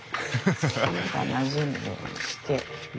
塩がなじむようにして。